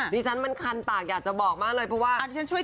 ดิฉันมันคันปากอยากจะบอกมากเลยเพราะว่า